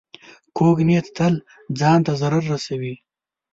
کوږ نیت تل ځان ته ضرر رسوي